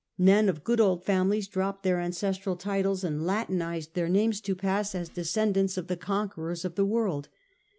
Men of good old families dropped their ancestral titles and latinized their names to pass as descendants of the conquerors of the world.